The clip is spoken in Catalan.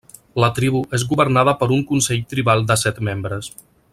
La tribu és governada per un consell tribal de set membres.